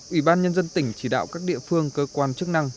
ủy ban nhân dân tỉnh chỉ đạo các địa phương cơ quan chức năng